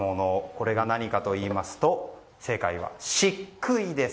これが何かといいますと正解は漆喰です。